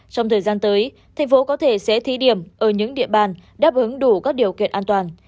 trong thời gian tới thành phố có thể sẽ thí điểm ở những địa bàn đáp ứng đủ các điều kiện an toàn